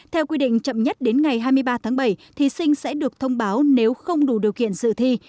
theo quy định chậm nhất đến ngày hai mươi ba tháng bảy thí sinh sẽ được thông báo nếu không đủ điều kiện dự thi